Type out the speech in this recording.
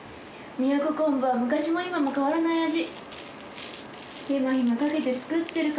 都こんぶは昔も今も変わらない味。